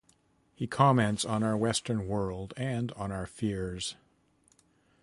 He comments on our Western world and on our fears.